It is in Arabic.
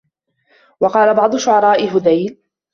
وَقَالَ بَعْضُ شُعَرَاءِ هُذَيْلٍ